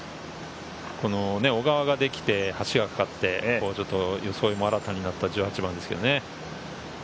小川ができて、橋がかかって、装いも新たになった１８番ですけどね。